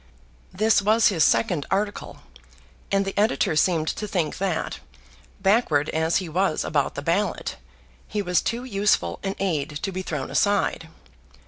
This was his second article, and the editor seemed to think that, backward as he was about the ballot, he was too useful an aid to be thrown aside.